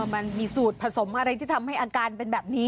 มันมีสูตรผสมอะไรที่ทำให้อาการเป็นแบบนี้